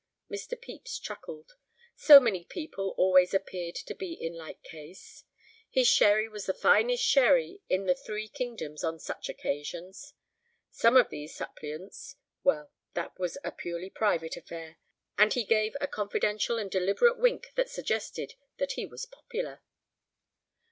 Mr. Pepys chuckled. So many people always appeared to be in like case. His sherry was the finest sherry in the three kingdoms on such occasions. Some of these suppliants—well, that was a purely private affair! And he gave a confidential and deliberate wink that suggested that he was popular.